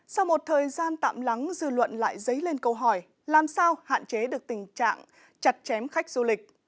sau một thời gian tạm lắng dư luận lại dấy lên câu hỏi làm sao hạn chế được tình trạng chặt chém khách du lịch